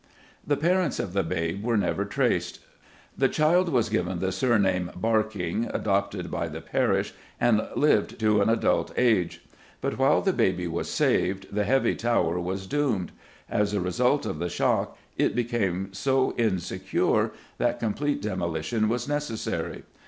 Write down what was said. The parents of the babe were never traced. The child was given the surname "Barking," adopted by the parish, and "lived to an adult age." But, while the baby was saved, the heavy tower was doomed. As a result of the shock it became so insecure that complete demolition was necessary.